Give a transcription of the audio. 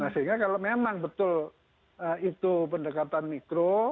sehingga kalau memang betul itu pendekatan mikro